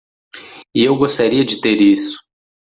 E eu gostaria de ter isso!